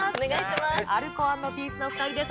アルコ＆ピースのお２人です。